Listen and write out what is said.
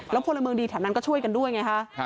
แล้วคนละเมืองดีแถวนั้นก็ช่วยกันด้วยไงค่ะ